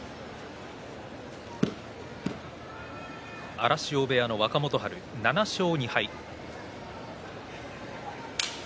荒汐部屋の若元春７勝２敗。